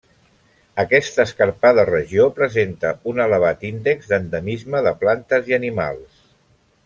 Aquesta escarpada regió presenta un elevat índex d'endemisme de plantes i animals.